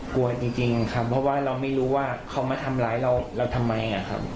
กลัวจริงครับเพราะว่าเราไม่รู้ว่าเขามาทำร้ายเราเราทำไมครับ